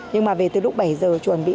nhưng mà về từ lúc bảy giờ chuẩn bị